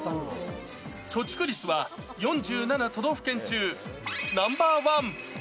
貯蓄率は４７都道府県中ナンバー１。